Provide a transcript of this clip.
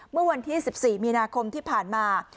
เมื่อวันที่๑๔มีนาคมที่ผ่านมา